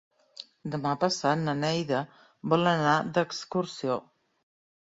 Demà passat na Neida vol anar d'excursió.